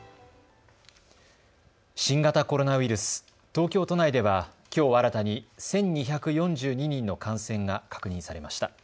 新型コロナウイルス、東京都内ではきょう新たに１２４２人の感染が確認されました。